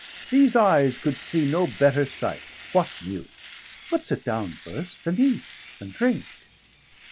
these eyes could see no better sight. 205 What news? but sit down first, and eat and drink."